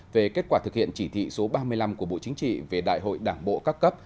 về kết quả thực hiện chỉ thị số ba mươi năm của bộ chính trị về đại hội đảng bộ các cấp